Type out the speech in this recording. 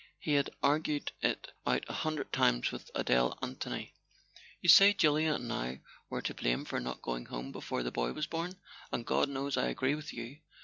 He had argued it out a hundred times with Adele Anthony. "You say Julia and I were to blame for not going home before the boy was born—and God knows I agree with you!